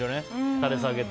垂れ下げて。